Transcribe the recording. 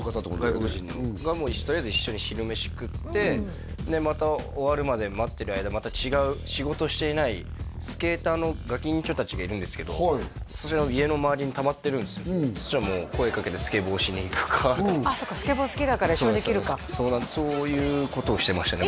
外国人のとりあえず一緒に昼飯食ってでまた終わるまで待ってる間また違う仕事していないスケーターのガキンチョ達がいるんですけど家の周りにたまってるんですよそしたらもう声掛けてスケボーしに行くかそっかスケボー好きだから一緒にできるかそういうことをしてましたね